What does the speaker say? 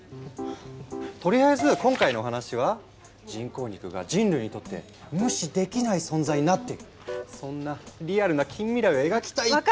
とりあえず今回のお話は人工肉が人類にとって無視できない存在になっているそんなリアルな近未来を描きたいっていう。